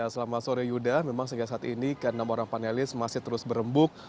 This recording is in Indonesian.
selama sore sudah memang sejak saat ini karena enam orang panelis masih terus berembuk